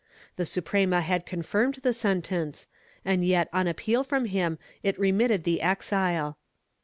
The Suprema had confirmed the sentence and yet on appeal from him it remitted the exile